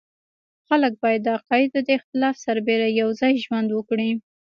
خلک باید د عقایدو د اختلاف سربېره یو ځای ژوند وکړي.